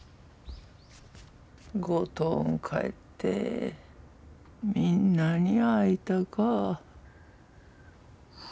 五島ん帰ってみんなに会いたか。